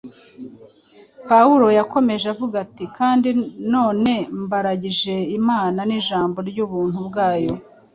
Pawulo yakomeje avuga ati: “Kandi none mbaragije Imana n’ijambo ry’ubuntu bwayo